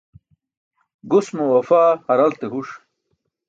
Gus mo wafaa haralte huṣ